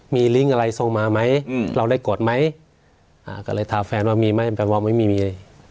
มีลิงก์อะไรส่งมาไหมเราได้กดไหมก็เลยถามแฟนว่ามีไหมแฟนบอกไม่มี